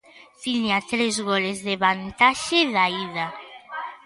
Tiña tres goles de vantaxe da ida.